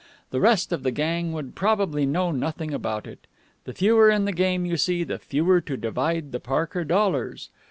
The rest of the gang would probably know nothing about it. The fewer in the game, you see, the fewer to divide the Parker dollars.